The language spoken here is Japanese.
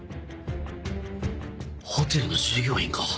ホテルの従業員か？